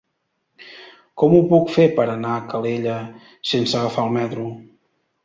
Com ho puc fer per anar a Calella sense agafar el metro?